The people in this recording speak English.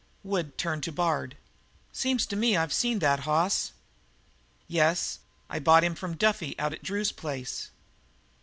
Wood turned to Bard. "Seems to me I've seen that hoss." "Yes. I bought it from Duffy out at Drew's place."